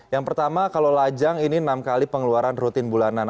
yang pertama kalau lajang ini enam kali pengeluaran rutin bulanan